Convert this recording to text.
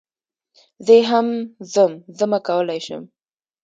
زه يي هم زم زمه کولی شم